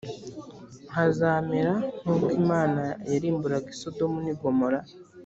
hazamera nk uko imana yarimburaga i sodomu n ‘igomora.